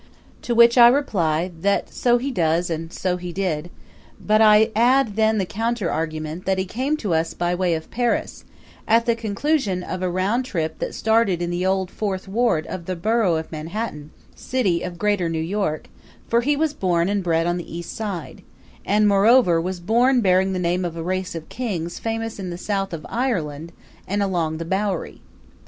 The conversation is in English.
To which I reply that so he does and so he did; but I add then the counter argument that he came to us by way of Paris, at the conclusion of a round trip that started in the old Fourth Ward of the Borough of Manhattan, city of Greater New York; for he was born and bred on the East Side and, moreover, was born bearing the name of a race of kings famous in the south of Ireland and along the Bowery.